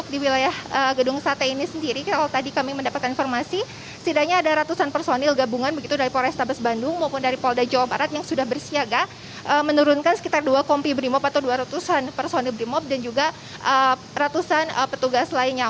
di wilayah gedung sate ini sendiri kalau tadi kami mendapatkan informasi setidaknya ada ratusan personil gabungan begitu dari polrestabes bandung maupun dari polda jawa barat yang sudah bersiaga menurunkan sekitar dua kompi brimob atau dua ratus an personil brimob dan juga ratusan petugas lainnya